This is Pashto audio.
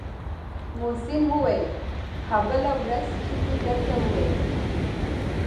محسن وويل ها بله ورځ چې مې درته وويل.